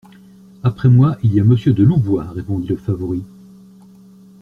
Après moi, il y a Monsieur de Louvois, répondit le favori.